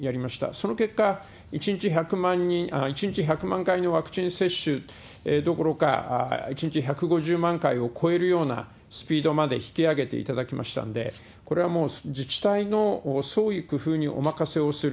その結果、１日１００万回のワクチン接種どころか、１日１５０万回を超えるようなスピードまで引き上げていただきましたんで、これはもう自治体の創意工夫にお任せをする。